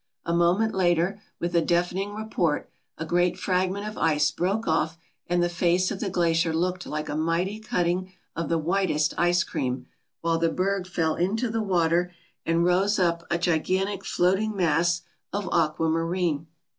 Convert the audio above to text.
A moment later, with a deafening report, a great fragment of ice broke off and the face of the glacier looked like a mighty cutting of the whitest ice cream, while the berg fell into the water and rose up a gigantic floating mass of aquamarine.